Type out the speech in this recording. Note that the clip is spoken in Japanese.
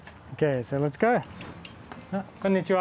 こんにちは。